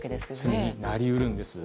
罪になり得るんです。